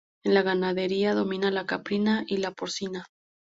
En la ganadería, domina la caprina y la porcina.